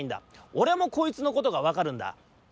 おれもこいつのことがわかるんだ。